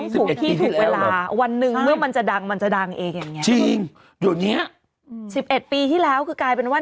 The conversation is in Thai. คุณแม่ไม่ทันหรอกหนูพี่ลุนเมตร๓คนเข้ายุคโปรปัญ